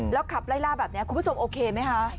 แล้วขับไล่ล่าแบบนี้คุณผู้ชมโอเคไหมคะ